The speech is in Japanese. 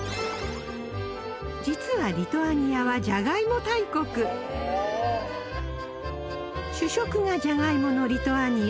実はリトアニアは主食がジャガイモのリトアニア